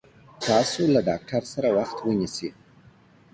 تاسو له ډاکټر سره وخت ونيسي